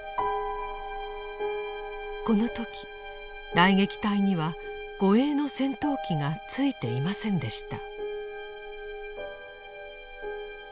この時雷撃隊には護衛の戦闘機が付いていませんでした。